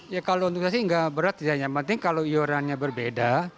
ya kalau untuk saya sih nggak berat yang penting kalau iurannya berbeda